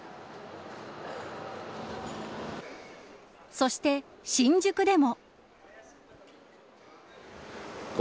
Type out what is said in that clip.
そして新宿でも。